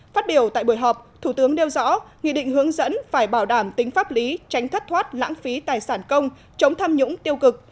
phát biểu tại buổi họp thủ tướng đeo rõ nghị định hướng dẫn phải bảo đảm tính pháp lý tránh thất thoát lãng phí tài sản công chống tham nhũng tiêu cực